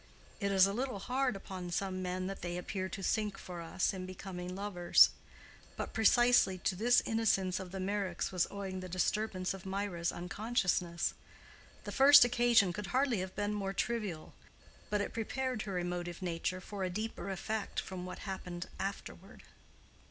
It is a little hard upon some men that they appear to sink for us in becoming lovers. But precisely to this innocence of the Meyricks was owing the disturbance of Mirah's unconsciousness. The first occasion could hardly have been more trivial, but it prepared her emotive nature for a deeper effect from what happened afterward.